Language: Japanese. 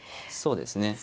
そうですね。